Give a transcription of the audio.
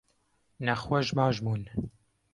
Nexweş baş bûn.